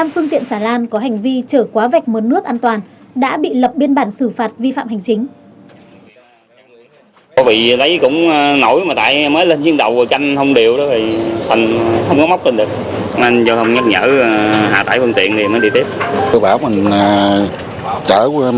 một mươi năm phương tiện xả lan có hành vi trở quá vạch mớn nước an toàn đã bị lập biên bản xử phạt vi phạm hành chính